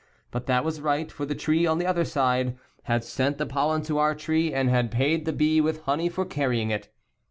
But that was right, for the tree on the other side had sent the pollen to our tree and had paid the bee with honey for carrying it.